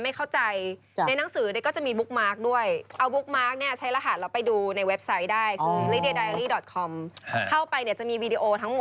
แล้วมีภาพนะชอบมากเลยมีภาพอันนึงนะตั้งแต่เริ่มท้อง